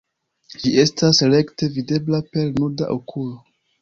Ĝi estas rekte videbla per nuda okulo.